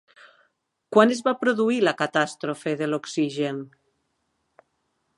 Quan es va produir la catàstrofe de l'oxigen?